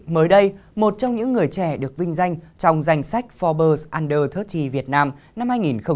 mới đây một trong những người trẻ được vinh danh trong danh sách forbes under ba mươi việt nam năm hai nghìn hai mươi hai